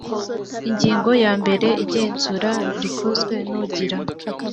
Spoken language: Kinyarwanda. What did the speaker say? ingingo yambere igenzura rikozwe n ugira